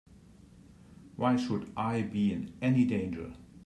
Why should I be in any danger?